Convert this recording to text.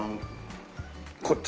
こっち？